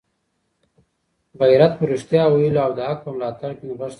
غیرت په رښتیا ویلو او د حق په ملاتړ کي نغښتی دی.